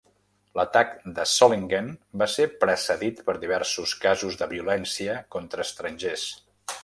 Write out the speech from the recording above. L'atac de Solingen va ser precedit per diversos casos de violència contra estrangers.